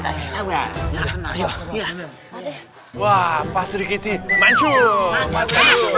nah gua pasburn duas